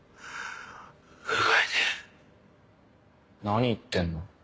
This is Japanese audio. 何言ってんの？